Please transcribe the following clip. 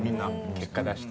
結果出してね。